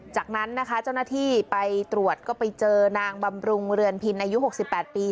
จากนั้นนะคะเจ้าหน้าที่ไปตรวจก็ไปเจอนางบำรุงเรือนพินอายุ๖๘ปี